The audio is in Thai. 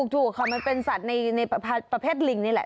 ถูกค่ะมันเป็นสัตว์ในประเภทลิงนี่แหละ